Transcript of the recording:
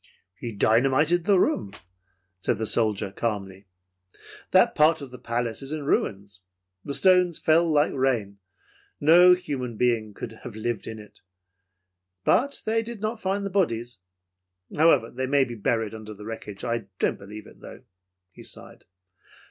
"He dynamited the room," said the soldier calmly. "That part of the palace is in ruins. The stones fell like rain. No human being could have lived in it. But they did not find the bodies. However, they may be buried under the wreckage. I don't believe it, though." He sighed.